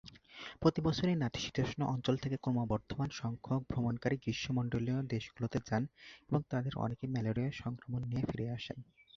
প্রতি বছর নাতিশীতোষ্ণ অঞ্চল থেকে ক্রমবর্ধমান সংখ্যক ভ্রমণকারী গ্রীষ্মমন্ডলীয় দেশগুলিতে যান এবং তাদের অনেকেই ম্যালেরিয়া সংক্রমণ নিয়ে ফিরে আসেন।